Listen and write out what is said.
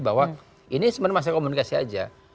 bahwa ini sebenarnya masih komunikasi saja